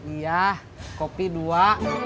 iya kopi dua